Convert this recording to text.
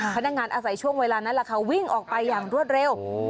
พนักงานอาศัยช่วงเวลานั้นแหละค่ะวิ่งออกไปอย่างรวดเร็ว